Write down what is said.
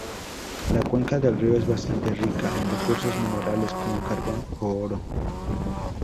La cuenca del río es bastante rica en recursos minerales, como carbón y oro.